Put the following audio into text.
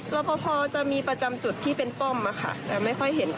รับพอจะมีประจำจุดที่เป็นป้อมมาค่ะ